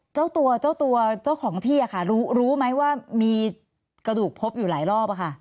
เจ้าตัวเจ้าตัวเจ้าของที่ค่ะรู้ไหมว่ามีกระดูกพบอยู่หลายรอบค่ะ